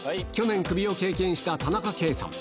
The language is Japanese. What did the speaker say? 去年クビを経験した田中圭さん。